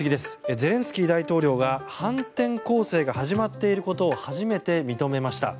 ゼレンスキー大統領が反転攻勢が始まっていることを初めて認めました。